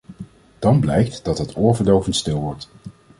Dan blijkt dat het oorverdovend stil wordt.